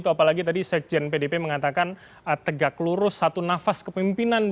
apalagi tadi sekjen pdp mengatakan tegak lurus satu nafas kepemimpinan